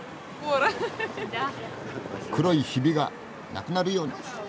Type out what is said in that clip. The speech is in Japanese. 黒いひびが無くなるように。